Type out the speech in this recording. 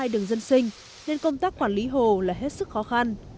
hai đường dân sinh nên công tác quản lý hồ là hết sức khó khăn